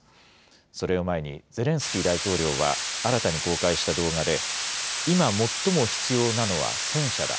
それを前に、ゼレンスキー大統領は新たに公開した動画で、今最も必要なのは戦車だ。